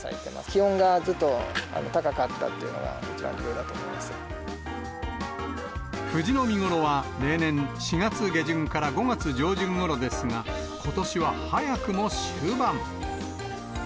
気温がずっと高かったというのが、藤の見頃は、例年、４月下旬から５月上旬ごろですが、ことしは早くも終盤。